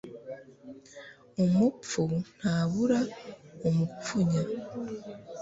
umupfu ntabura umupfunya